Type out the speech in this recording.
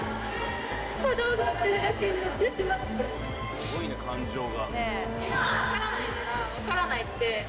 すごいね感情が。